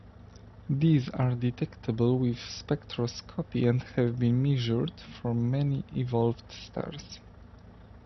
These are detectable with spectroscopy and have been measured for many evolved stars.